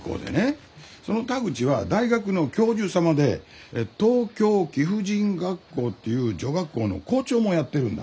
その田口は大学の教授様で東京貴婦人学校っていう女学校の校長もやってるんだ。